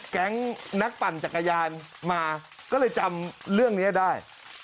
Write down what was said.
แก๊งนักปั่นจักรยานมาก็เลยจำเรื่องนี้ได้